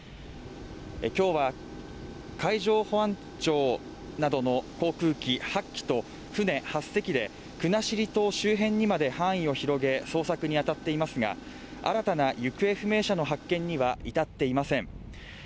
今日は海上保安庁などの航空機８機と船８隻で国後島周辺にまで範囲を広げ、捜索に当たっていますが新たな行方不明者の発見には至っていません。